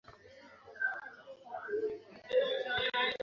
বাগস এবং অন্যদের কী অবস্থা?